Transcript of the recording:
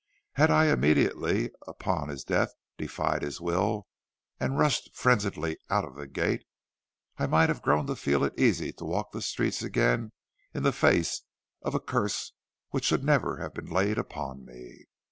Had I immediately upon his death defied his will and rushed frenziedly out of the gate, I might have grown to feel it easy to walk the streets again in the face of a curse which should never have been laid upon me.